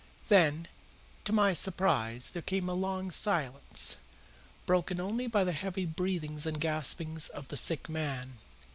Then, to my surprise, there came a long silence, broken only by the heavy breathings and gaspings of the sick man.